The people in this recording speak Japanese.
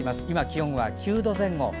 今、気温は９度前後。